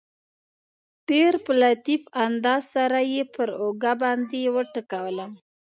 ډېر په لطیف انداز سره یې پر اوږه باندې وټکولم.